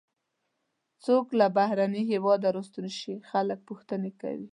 څوک له بهرني هېواده راستون شي خلک پوښتنې کوي.